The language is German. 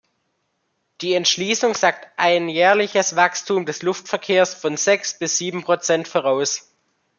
Die Entschließung sagt ein jährliches Wachstum des Luftverkehrs von sechs bis sieben Prozent voraus.